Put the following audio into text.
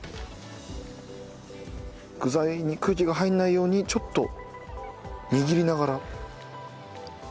具材に空気が入らないようにちょっと握りながら。